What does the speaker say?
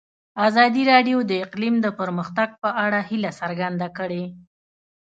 ازادي راډیو د اقلیم د پرمختګ په اړه هیله څرګنده کړې.